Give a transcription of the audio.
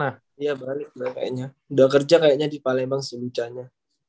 iya balik udah kerja kayaknya di palembang si lucha nya